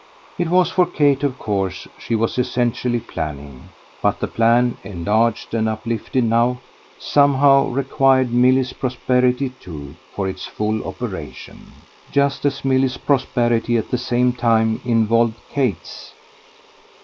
It was for Kate of course she was essentially planning; but the plan, enlarged and uplifted now, somehow required Milly's prosperity too for its full operation, just as Milly's prosperity at the same time involved Kate's.